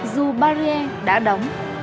dù barrier đã đóng